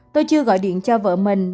tôi chưa gọi điện cho vợ mình